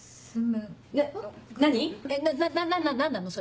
な何なの？